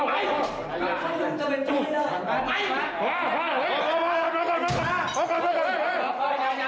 ไหนลืมจะเป็นชู